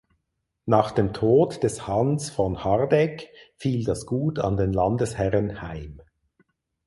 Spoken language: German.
Nach dem Tod des Hans von Hardegg fiel das Gut an den Landesherren heim.